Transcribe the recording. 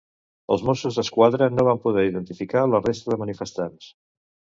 Els Mossos d'Esquadra no van poder identificar la resta de manifestants.